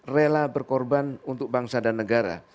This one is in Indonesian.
rela berkorban untuk bangsa dan negara